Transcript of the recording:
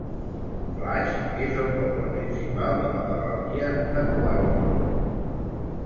Flash és el poble principal de la parròquia de Quarnford.